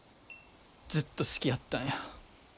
ずっと好きやったんや。